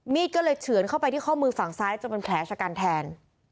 ก็เลยเฉือนเข้าไปที่ข้อมือฝั่งซ้ายจนเป็นแผลชะกันแทน